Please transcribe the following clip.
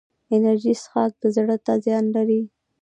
انرژي څښاک زړه ته زیان لري